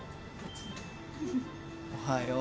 ・おはよう。